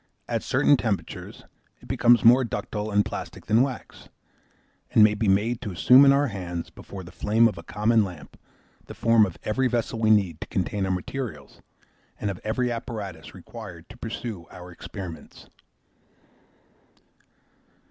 At certain temperatures it becomes more ductile and plastic than wax, and may be made to assume in our hands, before the flame of a common lamp, the form of every vessel we need to contain our materials, and of every apparatus required to pursue our experiments.